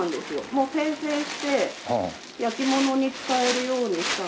もう生成して焼き物に使えるようにしたのが。